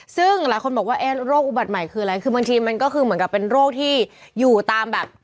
ซึ่งหลายคนบอกว่าเอ๊ะโรคอุบัติใหม่คืออะไรคือบางทีมันก็คือเหมือนกับเป็นโรคที่อยู่ตามแบบ